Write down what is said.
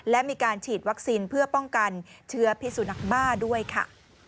และมีการฉีดวัคซีนเพื่อป้องกันเชื้อพิสุนักบ้าด้วยค่ะ